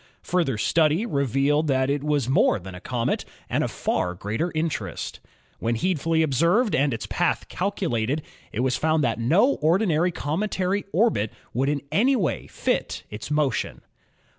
Further study revealed that it was more than a comet and of far greater interest. When needfully ob served and its path calculated, it was found that no ordi nary cometary orbit would in any way fit its motion.